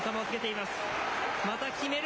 また決める。